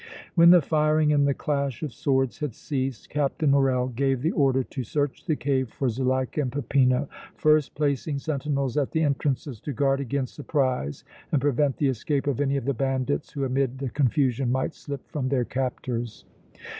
When the firing and the clash, of swords had ceased, Captain Morrel gave the order to search the cave for Zuleika and Peppino, first placing sentinels at the entrances to guard against surprise and prevent the escape of any of the bandits who amid the confusion might slip from their captors.